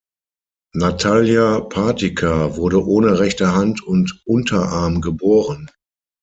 Natalia Partyka wurde ohne rechte Hand und Unterarm geboren.